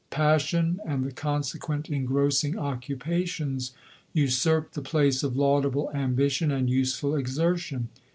Pas sion, and the consequent engrossing occupations, usurped the place of laudable ambition and use ful exertion.